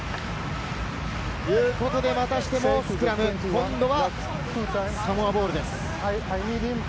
またしてもスクラム、今度はサモアボールです。